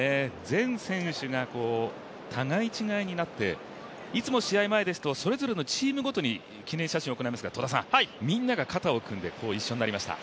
全選手が互い違いになって、いつも試合前ですと、それぞれのチームごとに記念写真を行いますが、戸田さん、みんなが肩を組んで一緒になりました。